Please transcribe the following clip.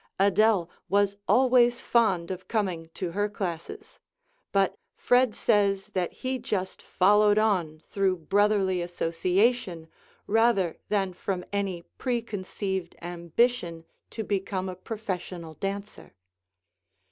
Adele was always fond of coming to her classes; but Fred says that he just "followed on" through brotherly association rather than from any preconceived ambition to become a professional dancer.